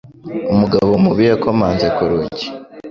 Umugabo mubi yakomanze ku rugi